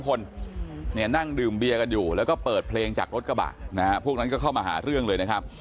คนเนี่ยนั่งดื่มเบียร์กันอยู่แล้วก็เปิดเพลงจากรถกระบะนะฮะพวกนั้นก็เข้ามาหาเรื่องเลยนะครับ